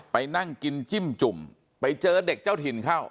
ไปนั่งกินจิ้มจุ่มไปเจอเด็กเจ้าถิ่นเข้า